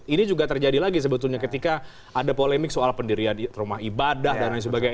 ini juga terjadi lagi sebetulnya ketika ada polemik soal pendirian rumah ibadah dan lain sebagainya